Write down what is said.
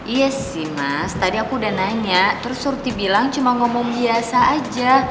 iya sih mas tadi aku udah nanya terus surti bilang cuma ngomong biasa aja